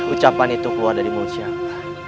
ucapan itu keluar dari mulut siapa